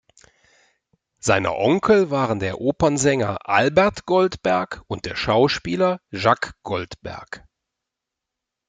Seine Onkel waren der Opernsänger Albert Goldberg und der Schauspieler Jacques Goldberg.